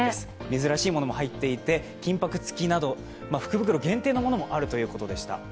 珍しいものも入っていて福袋限定のものもあるということでした。